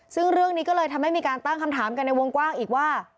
ซึ่งเรื่องนี้ก็เลยทำให้มีการตั้งคำถามกันในวงกว้างอีกว่า